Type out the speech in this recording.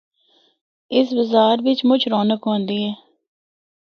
اس بازار بچ مُچ رونق ہوندی ہے۔